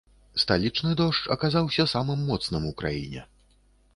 Сталічны дождж аказаўся самым моцным у краіне.